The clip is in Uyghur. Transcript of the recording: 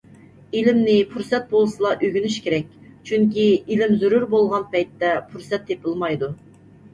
ئىلىمنى پۇرسەت بولسىلا ئۆگىنىش كېرەك، چۈنكى ئىلىم زۆرۈر بولغان پەيتتە پۇرسەت تېپىلمايدۇ.